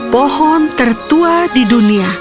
pohon tertua di dunia